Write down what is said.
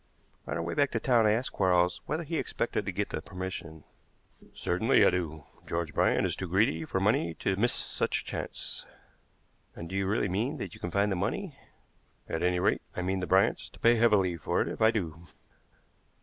On our way back to town I asked Quarles whether he expected to get the permission. "Certainly I do. George Bryant is too greedy for money to miss such a chance." "And do you really mean that you can find the money?" "At any rate, I mean the Bryants to pay heavily for it if I do."